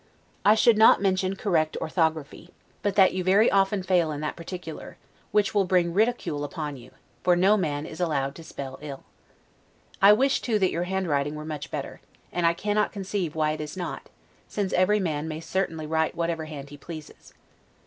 I should not mention correct orthography, but that you very often fail in that particular, which will bring ridicule upon you; for no man is allowed to spell ill. I wish too that your handwriting were much better; and I cannot conceive why it is not, since every man may certainly write whatever hand he pleases.